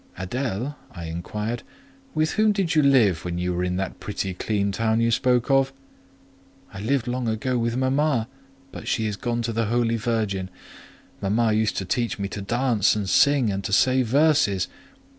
"Adèle," I inquired, "with whom did you live when you were in that pretty clean town you spoke of?" "I lived long ago with mama; but she is gone to the Holy Virgin. Mama used to teach me to dance and sing, and to say verses.